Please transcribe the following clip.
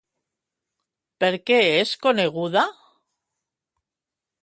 Per què és coneguda?